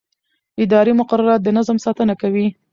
اداري مقررات د نظم ساتنه کوي.